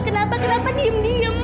kenapa kenapa diem diem